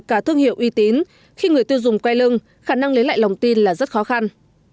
cả thương hiệu uy tín khi người tiêu dùng quay lưng khả năng lấy lại lòng tin là rất khó khăn